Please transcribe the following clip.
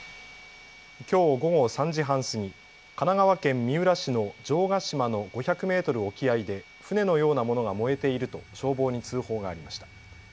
きょう午後３時半過ぎ、神奈川県三浦市の城ヶ島の５００メートル沖合で船のようなものが燃えていると消防に通報がありました。